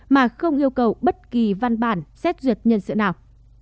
mà không yêu cầu bất kỳ văn bản xét duyệt nhân sự nào